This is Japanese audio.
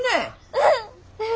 うん。